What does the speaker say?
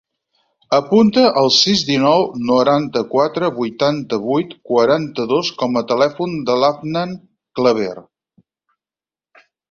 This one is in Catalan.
Apunta el sis, dinou, noranta-quatre, vuitanta-vuit, quaranta-dos com a telèfon de l'Afnan Claver.